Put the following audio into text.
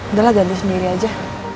udah lah ganti sendiri aja